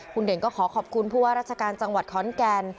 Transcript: คุณเด่นก็ขอขอบคุณผู้ว่าราชการจังหวัดขอนแก่น